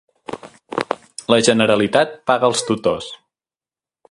La Generalitat paga els tutors